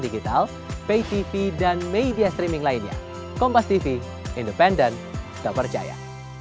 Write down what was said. digital pay tv dan media streaming lainnya kompas tv independen terpercaya